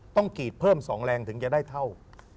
กรีดเพิ่ม๒แรงถึงจะได้เท่า